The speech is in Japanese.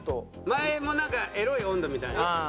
前もなんかエロい音頭みたいな。